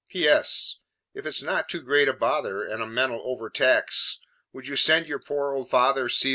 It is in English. "P.S. "If it's not too great a bother And a mental overtax, Would you send your poor old father, C.